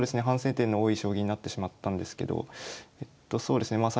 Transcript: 反省点の多い将棋になってしまったんですけどえっとそうですね